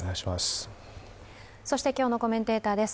そして今日のコメンテーターです。